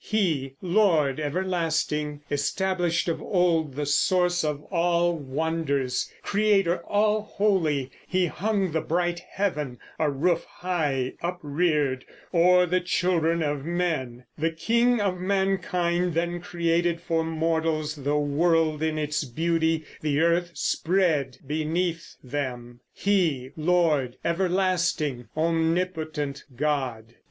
He, Lord everlasting, Established of old the source of all wonders: Creator all holy, He hung the bright heaven, A roof high upreared, o'er the children of men; The King of mankind then created for mortals The world in its beauty, the earth spread beneath them, He, Lord everlasting, omnipotent God.